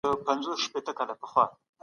وګړپوهنه يا مردم شناسي يوه بله مهمه څانګه ده.